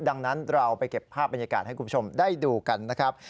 ดังนั้นเราไปเก็บภาพบรรยากาศให้คุณผู้ชมได้ดูกันนะครับ